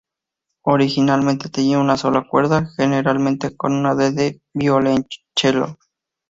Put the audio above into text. Originalmente tenía una sola cuerda, generalmente una D de violonchelo.